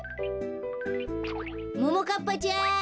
ももかっぱちゃん。